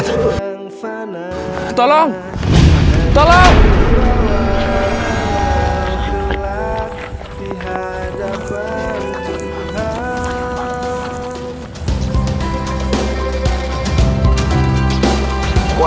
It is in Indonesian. jangan bunuh anakku